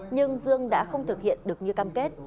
nhưng dương đã không thực hiện được như cam kết